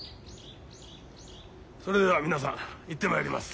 それでは皆さん行ってまいります。